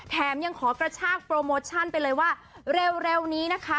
แถมยังขอกระชากโปรโมชั่นไปเลยว่าเร็วนี้นะคะ